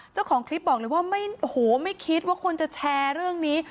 เจ้าของคลิปบอกเลยว่าไม่โอ้โหไม่คิดว่าคนจะแชร์เรื่องนี้